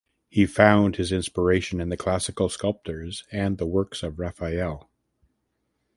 He found his inspiration in the Classical sculptors and the works of Raphael.